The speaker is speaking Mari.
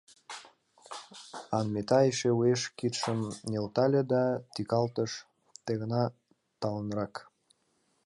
Анмита эше уэш кидшым нӧлтале да тӱкалтыш, ты гана талынрак.